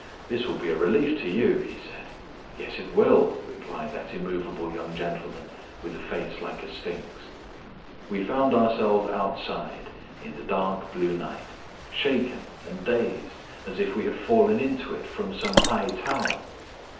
"This will be a relief to you," he said. "Yes, it will," replied that immovable young gentleman with a face like a sphinx. We found ourselves outside in the dark blue night, shaken and dazed as if we had fallen into it from some high tower.